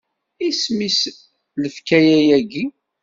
Isem-is lfakya-agi?